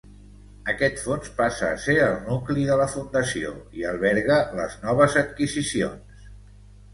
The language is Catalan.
Aquest fons passa a ser el nucli de la fundació i alberga les noves adquisicions.